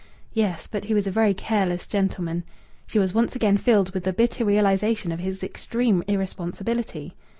Yes, but he was a very careless gentleman. She was once again filled with the bitter realization of his extreme irresponsibility.